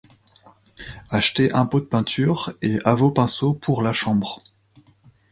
Achetez un pot de peinture et à vos pinceaux pour la chambre